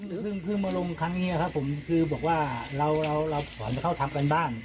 อื่นพึ่งมาลงทางนี้ครับผมคือบอกว่าเราผ่อนเข้าถับไปกันบ้าน